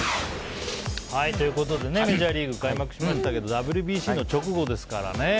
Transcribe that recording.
メジャーリーグ開幕しましたけどＷＢＣの直後ですからね。